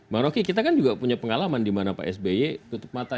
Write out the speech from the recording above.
bang roky kita kan juga punya pengalaman di mana pak sby tutup mata